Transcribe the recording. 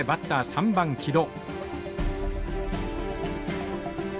３番木戸。